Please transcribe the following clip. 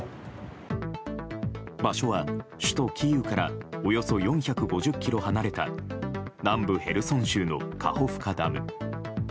場所は、首都キーウからおよそ４５０ｋｍ離れた南部ヘルソン州のカホフカダム。